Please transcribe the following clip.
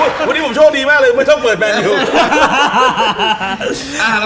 วันนี้ผมโชคดีมากเลยไม่ชอบเปิดแพรร์นิว